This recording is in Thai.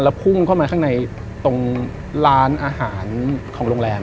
พุ่งเข้ามาข้างในตรงร้านอาหารของโรงแรม